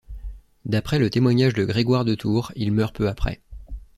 D'après le témoignage de Grégoire de Tours, il meurt peu après.